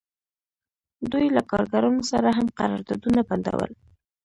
دوی له کارګرانو سره هم قراردادونه بندول